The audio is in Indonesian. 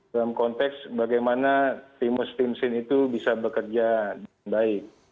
dalam konteks bagaimana timus timus itu bisa bekerja baik